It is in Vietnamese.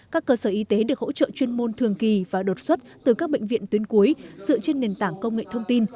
các cơ sở y tế được hỗ trợ chuyên môn thường kỳ và đột xuất từ các bệnh viện tuyến cuối dựa trên nền tảng công nghệ thông tin